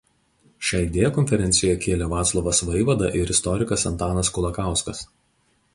Šią idėją konferencijoje kėlė Vaclovas Vaivada ir istorikas Antanas Kulakauskas.